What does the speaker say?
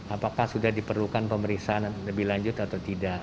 apakah sudah diperlukan pemeriksaan lebih lanjut atau tidak